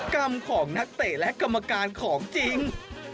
กรรมของนักเตะและกรรมการของจริง